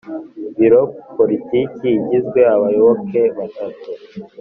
Biro Politiki igizwe n abayoboke batatu